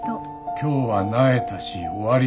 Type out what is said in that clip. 今日はなえたし終わりにする。